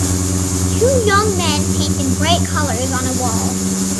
Two young men paint in bright colors on a wall.